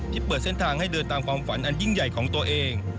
เปิดเส้นทางให้เดินตามความฝันอันยิ่งใหญ่ของตัวเอง